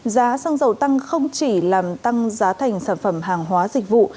giá xăng dầu tăng không chỉ làm tăng giá thành sản phẩm hàng hóa dịch vụ